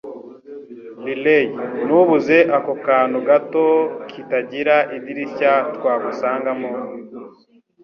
Riley, ntubuze ako kantu gato kitagira idirishya twagusangamo?